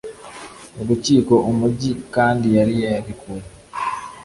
Urukiko umujyi kandi yari yarekuye